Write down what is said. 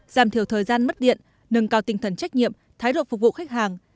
giảm thiểu thời gian mất điện nâng cao tinh thần trách nhiệm thái độ phục vụ khách hàng